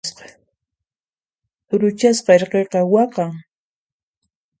T'uruchasqa irqiqa waqan.